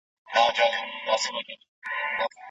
هوش او ذهني جریانونه د ارواپوهني موضوع ده.